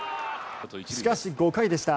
しかし５回でした。